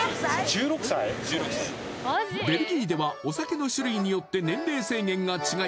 １６歳ベルギーではお酒の種類によって年齢制限が違い